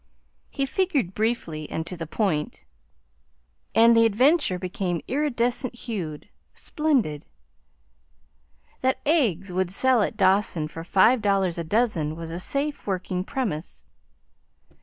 He figured briefly and to the point, and the adventure became iridescent hued, splendid. That eggs would sell at Dawson for five dollars a dozen was a safe working premise.